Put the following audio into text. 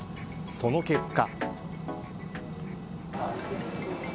その結果。